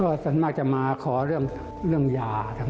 ก็สักมากจะมาขอเรื่องเรื่องยาสักมากค่ะ